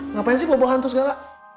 ngapain sih gue bawa hantu segala